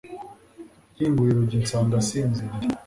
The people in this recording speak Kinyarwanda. Nkinguye urugi nsanga asinziriye